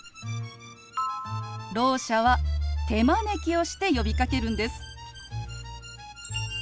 ろう者は手招きをして呼びかけるんです。